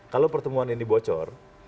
kalau pertemuan ini bocor